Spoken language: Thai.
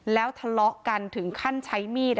แล้วทะเลาะกันถึงขั้นใช้มีด